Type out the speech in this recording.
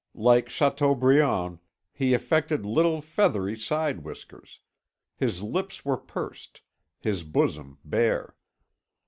Like Chateaubriand, he affected little feathery side whiskers. His lips were pursed, his bosom bare.